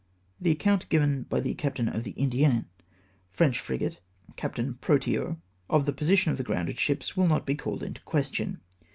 The account given by the captain of the Indienne, French frigate, Captain Protean, of the position of the grounded ships, will not be called in question.